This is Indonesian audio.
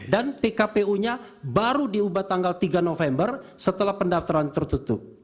dan pkpu nya baru diubah tanggal tiga november setelah pendaftaran tertutup